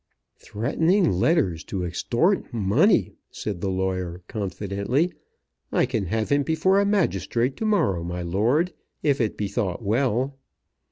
"Threatening letters to extort money!" said the lawyer confidently. "I can have him before a magistrate to morrow, my lord, if it be thought well."